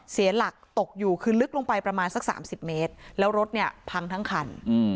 เสียหลักตกอยู่คือลึกลงไปประมาณสัก๓๐เมตรแล้วรถเนี่ยพังทั้งคัน